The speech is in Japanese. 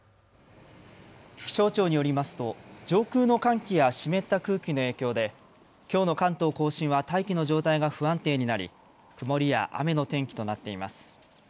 気象庁によりますと上空の寒気や湿った空気の影響できょうの関東甲信は大気の状態が不安定になり曇りや雨の天気となっています。